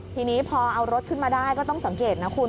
ทีนี้พอเอารถขึ้นมาได้ก็ต้องสังเกตนะคุณ